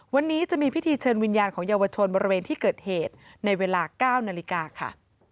วันนี้จะมีพิธีเชิญวิญญาณของเยาวชนบริเวณที่เกิดเหตุในเวลา๙นาฬิกาค่ะ